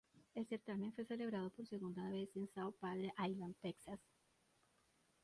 El certamen fue celebrado por segunda vez en South Padre Island, Texas.